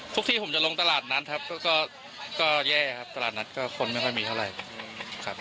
ที่ผมจะลงตลาดนัดครับก็แย่ครับตลาดนัดก็คนไม่ค่อยมีเท่าไหร่ครับ